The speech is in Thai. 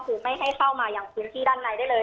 คือไม่ให้เข้ามาอย่างพื้นที่ด้านในได้เลย